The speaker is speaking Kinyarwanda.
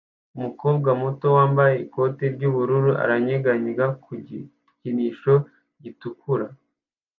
Umukobwa muto wambaye ikote ry'ubururu aranyeganyega ku gikinisho gitukura